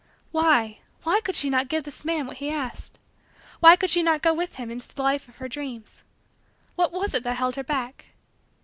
Why why could she not give this man what he asked? Why could she not go with him into the life of her dreams? What was it that held her back?